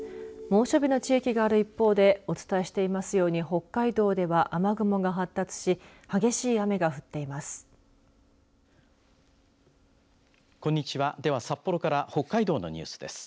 猛暑日の地域がある一方でお伝えしていますように北海道では雨雲が発達し激しい雨が降っています。